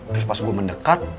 terus pas gue mendekat